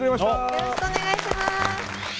よろしくお願いします。